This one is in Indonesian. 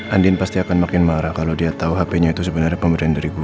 andien pasti akan makin marah kalo dia tau hpnya itu sebenernya pemberian dari gue